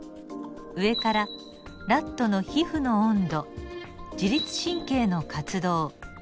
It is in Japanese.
上からラットの皮膚の温度自律神経の活動